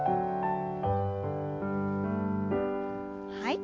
はい。